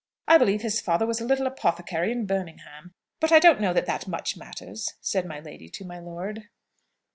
I believe his father was a little apothecary in Birmingham. But I don't know that that much matters," said my lady to my lord.